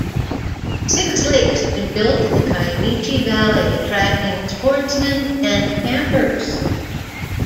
Six lakes have been built in the Kiamichi Valley, attracting sportsmen and campers.